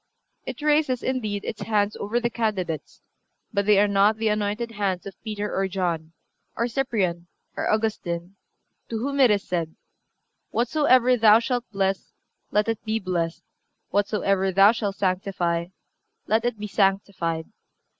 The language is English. It raises, indeed, its hands over the candidates; but they are not the anointed hands of Peter or John, or Cyprian or Augustine, to whom it is said: "Whatsoever thou shalt bless, let it be blessed; whatsoever thou shalt sanctify, let it be sanctified."